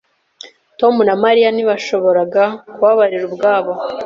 Tom na Mariya ntibashoboraga kubabarira ubwabo.